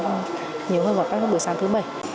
cũng nhiều hơn vào các bữa sáng thứ bảy